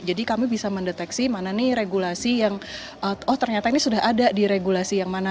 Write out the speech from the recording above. jadi kami bisa mendeteksi mana ini regulasi yang oh ternyata ini sudah ada di regulasi yang mana